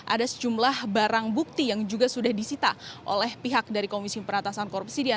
ada sejumlah barang bukti yang juga sudah disita oleh pihak dari komisi peratasan korupsi